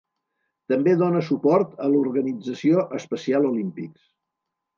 També dona suport a l'organització Special Olympics.